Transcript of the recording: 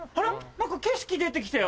何か景色出て来たよ。